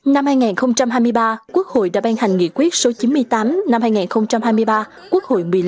năm hai nghìn hai mươi ba quốc hội đã ban hành nghị quyết số chín mươi tám